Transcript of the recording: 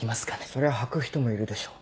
そりゃ履く人もいるでしょう。